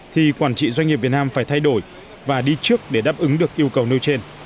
thì quản trị doanh nghiệp việt nam phải thay đổi và đi trước để đáp ứng được yêu cầu nêu trên